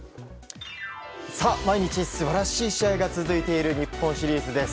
毎日素晴らしい試合が続いている日本シリーズです。